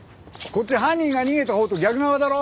こっち犯人が逃げたほうと逆側だろ？